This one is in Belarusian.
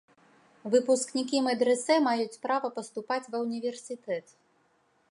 Выпускнікі медрэсэ маюць права паступаць ва ўніверсітэт.